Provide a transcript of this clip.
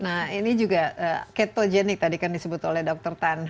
nah ini juga ketogenik tadi kan disebut oleh dr tan